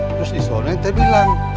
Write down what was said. terus disana ente bilang